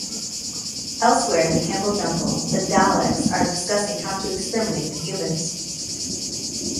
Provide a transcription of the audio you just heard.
Elsewhere in the Kembel jungle, the Daleks are discussing how to exterminate the humans.